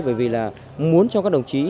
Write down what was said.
bởi vì là muốn cho các đồng chí